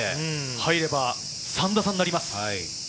入れば３打差になります。